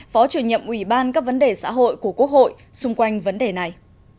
phó chủ nhiệm ủy ban các vấn đề xã hội của quốc hội xung quanh vấn đề này